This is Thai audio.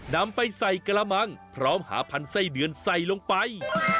นำไปใส่กระมังพร้อมหาพันธุ์ไส้เดือนใส่ลงไป